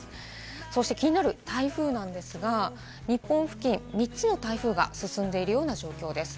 そして気になる台風なんですが、日本付近、３つの台風が進んでいるような状況です。